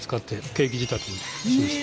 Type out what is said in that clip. ケーキ仕立てにしました。